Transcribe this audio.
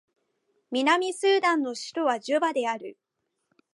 南スーダンの首都はジュバである